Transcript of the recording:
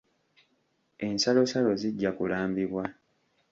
Ensalosalo zijja kulambibwa.